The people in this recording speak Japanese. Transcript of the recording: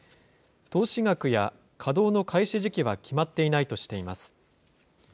投資額や、稼働の開始時期は決まっていないとしています。